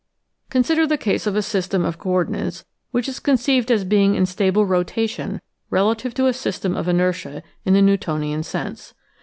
Consider the case of a system of coordinates which is conceived as being in stable rotation relative to a system of inertia in the Newtonian sense.